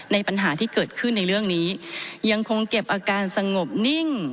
ปัญหาที่เกิดขึ้นในเรื่องนี้ยังคงเก็บอาการสงบนิ่ง